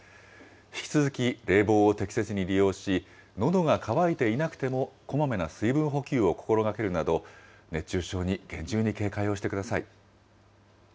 引き続き冷房を適切に利用し、のどが渇いていなくてもこまめな水分補給を心がけるなど、熱中症に厳重に警戒をしてください。